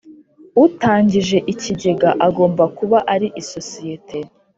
Utangije ikigega agomba kuba ari isosiyete